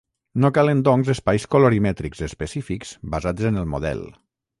No calen, doncs, espais colorimètrics específics basats en el model.